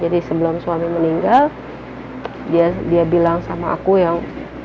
jadi sebelum suami meninggal dia bilang sama aku yang